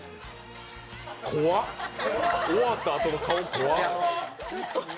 怖っ、終わったあとの顔、怖っ！